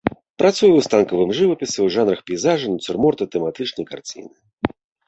Працуе ў станковым жывапісе ў жанрах пейзажа, нацюрморта, тэматычнай карціны.